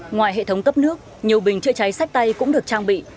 ngoài hệ thống cấp nước nhiều bình chữa cháy sách tay cũng được trang bị